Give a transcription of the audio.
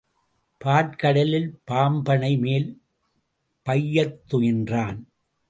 பாற்கடலில் பாம்பணை மேல் பையத்துயின்றான்.